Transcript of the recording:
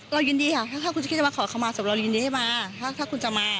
เรายินดีค่ะถ้าคุณจะคิดจะมาขอขมาศพเรายินดีให้มาถ้าคุณจะมา